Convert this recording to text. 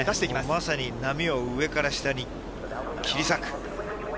まさに波を上から下に切り裂く。